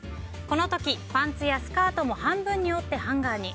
この時、パンツやスカートも半分に折ってハンガーに。